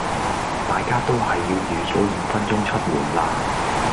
大家都係要預早五分鐘出門啦